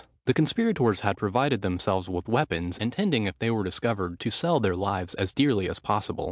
The conspirators had provided themselves with weapons, intending, if they were discovered, to sell their lives as dearly as possible.